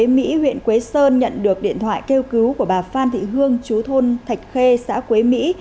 mỹ huyện quế sơn nhận được điện thoại kêu cứu của bà phan thị hương chú thôn thạch khê xã quế mỹ